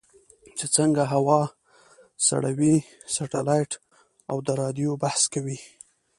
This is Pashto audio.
چې څنګه هوا سړوي سټلایټ او د رادیو بحث کوي.